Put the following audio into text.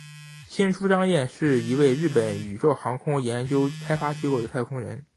星出彰彦是一位日本宇宙航空研究开发机构的太空人。